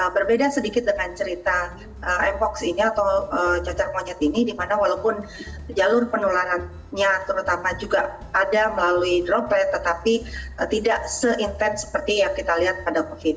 berbeda sedikit dengan cerita m hoax ini atau cacar monyet ini dimana walaupun jalur penularannya terutama juga ada melalui droplet tetapi tidak se intens seperti yang kita lihat pada covid sembilan belas